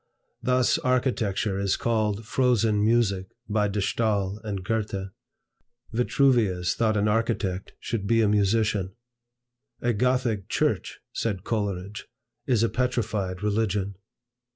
Thus architecture is called "frozen music," by De Stael and Goethe. Vitruvius thought an architect should be a musician. "A Gothic church," said Coleridge, "is a petrified religion."